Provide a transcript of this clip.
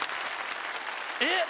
えっ！